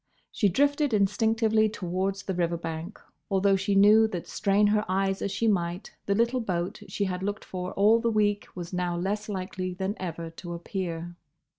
She drifted instinctively towards the river bank although she knew that strain her eyes as she might the little boat she had looked for all the week was now less likely than ever to appear.